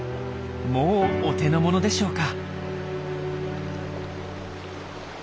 もうお手の物でしょうか？